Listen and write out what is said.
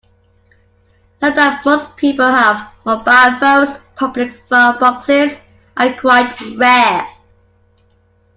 Now that most people have mobile phones, public phone boxes are quite rare